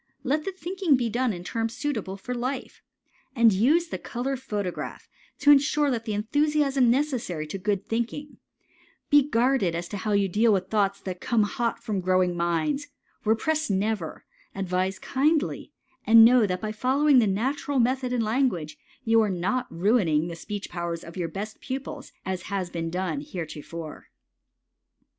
Let the thinking be done in terms suitable for life. And use the color photograph to insure that enthusiasm necessary to good thinking; be guarded as to how you deal with thoughts that come hot from growing minds, repress never, advise kindly, and know that by following the natural method in language you are not ruining the speech powers of your best pupils, as has been done heretofore.